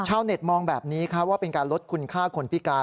เน็ตมองแบบนี้ว่าเป็นการลดคุณค่าคนพิการ